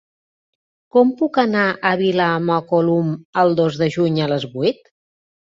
Com puc anar a Vilamacolum el dos de juny a les vuit?